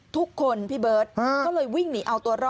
ทุกคนพี่เบิร์ตก็เลยวิ่งหนีเอาตัวรอด